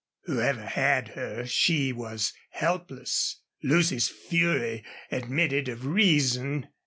Whoever had her, she was helpless. Lucy's fury admitted of reason.